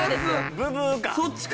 ブブーか。